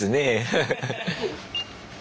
ハハハハッ。